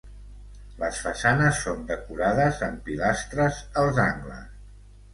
Les façanes són decorades amb pilastres als angles.